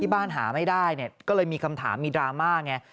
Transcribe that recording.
บ้านหาไม่ได้ก็เลยมีคำถามมีดราม่าไง